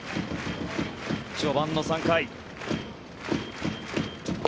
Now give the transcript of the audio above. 序盤の３回。